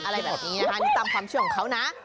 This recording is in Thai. อะไรแบบนี้ตามความชื่อของเขานะ